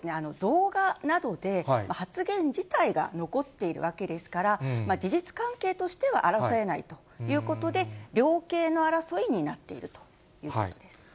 動画などで発言自体が残っているわけですから、事実関係としては争えないということで、量刑の争いになっているということです。